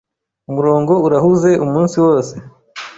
Umurongo urahuze umunsi wose.